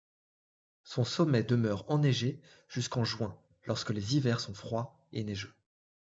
Son sommet demeure enneigé jusqu'en juin lorsque les hivers sont froids et neigeux.